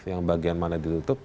yang bagian mana ditutup